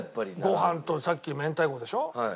ご飯とさっき明太子でしょ？